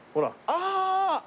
ああ！